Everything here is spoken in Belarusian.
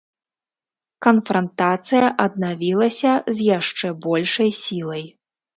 Канфрантацыя аднавілася з яшчэ большай сілай.